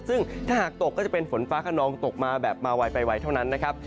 ซึ่งถ้าหากตกก็จะเป็นฝนฟ้าขนองตกมาแบบมาไวไปไวเท่านั้นนะครับ